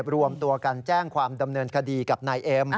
รวมตัวกันแจ้งความดำเนินคดีกับนายเอ็ม